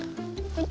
はい。